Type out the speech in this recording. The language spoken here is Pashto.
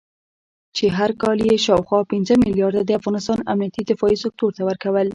چې هر کال یې شاوخوا پنځه مليارده د افغانستان امنيتي دفاعي سکتور ته ورکول